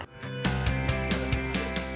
hasbi mencoba produk tersebut